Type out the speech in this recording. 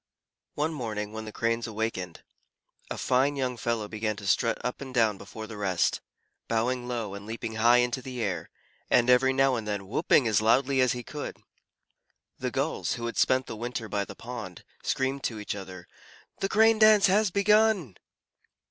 One morning, when the Cranes awakened, a fine young fellow began to strut up and down before the rest, bowing low, and leaping high into the air, and every now and then whooping as loudly as he could. The Gulls, who had spent the winter by the pond, screamed to each other, "The Crane dance has begun!"